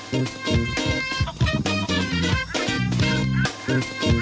ไหม้กว่าเดิม